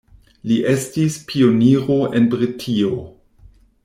Li estis pioniro en Britio.